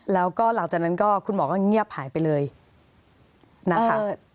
แล้วก็หลังจากนั้นก็คุณหมอก็เงียบหายไปเลยนะคะ